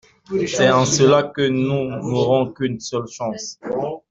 C’est en cela que nous n’aurons qu’une seule chance.